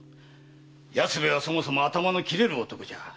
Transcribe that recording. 安兵衛はそもそも頭の切れる男じゃ。